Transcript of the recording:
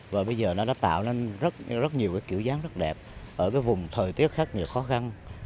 và bây giờ nó đã tạo nên rất nhiều cái kiểu dáng rất đẹp ở cái vùng thời tiết khắc nghiệt khó khăn